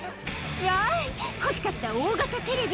欲しかった大型テレビ。